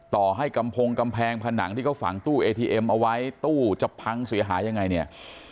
ต่อให้กำพงกำแพงผนังที่เขาฝังตู้เอทีเอ็มเอาไว้ตู้จะพังเสียหายยังไงเนี่ย